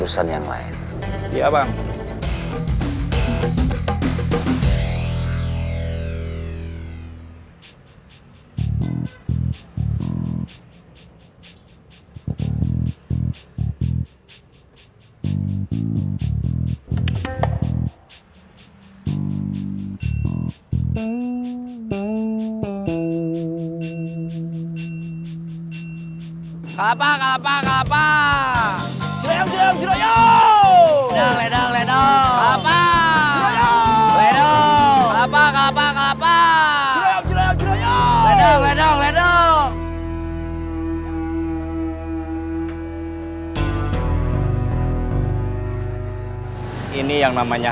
sama orangnya gak ada